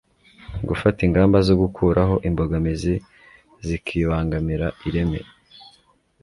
gufata ingamba zo gukuraho imbogamizi zikibangamira ireme